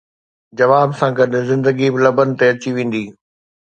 جواب سان گڏ زندگي به لبن تي اچي ويندي